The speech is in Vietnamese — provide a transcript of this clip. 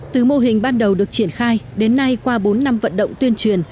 từ mô hình ban đầu được triển khai đến nay qua bốn năm vận động tuyên truyền